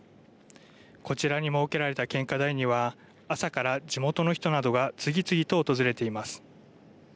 こちらに設けられた献花台には朝から地元の人などが次々と訪れています。